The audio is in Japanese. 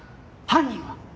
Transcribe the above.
犯人は？